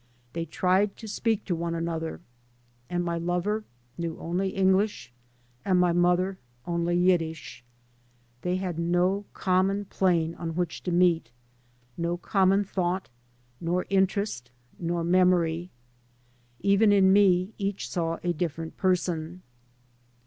They tried to speak to one another. And my lover knew only Eng lish, and my mother only Yiddish. They had no common plane on which to meet, no com mon thought, nor interest, nor memory. Even in me each saw a different person.